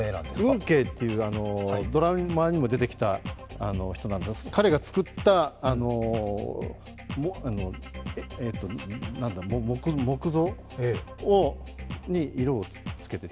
運慶というドラマにも出てきた人なんですが、彼が作った木像に色をつけて。